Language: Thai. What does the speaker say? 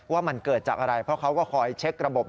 ว่ามันเกิดจากอะไรเพราะเขาก็คอยเช็คระบบ